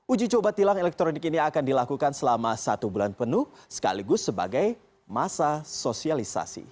uji coba tilang elektronik ini akan dilakukan selama satu bulan penuh sekaligus sebagai masa sosialisasi